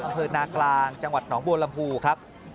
กระเภทนากลางจังหวัดหนองบวรรณภูครับ